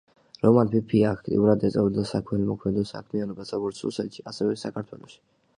რომან ფიფია აქტიურად ეწეოდა საქველმოქმედო საქმიანობას როგორც რუსეთში, ასევე საქართველოში.